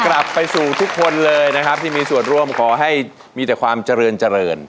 กลับไปสู่ทุกคนเลยนะครับที่มีส่วนร่วมขอให้มีแต่ความเจริญเจริญ